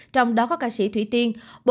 trong đó có ca sĩ thủy tiên